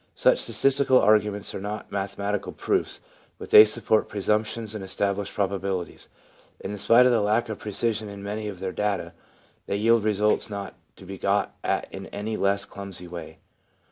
Such statistical arguments are not mathematical proofs, but they support presumptions and establish probabilities, and in spite of the lack of precision in many of their data, they yield results not to be got at in any less clumsy way.